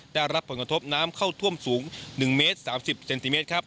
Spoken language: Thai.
ได้รับผลกระทบน้ำเข้าท่วมสูง๑เมตร๓๐เซนติเมตรครับ